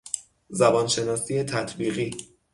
زبانشناسی تطبیقی